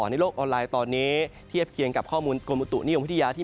ในโลกออนไลน์ตอนนี้เทียบเคียงกับข้อมูลกรมอุตุนิยมวิทยาที่